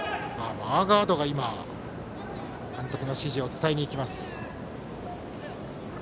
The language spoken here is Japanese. マーガードが監督の指示を伝えにいきます。